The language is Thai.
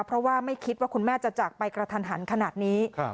เพราะว่าไม่คิดว่าคุณแม่จะจากไปกระทันหันขนาดนี้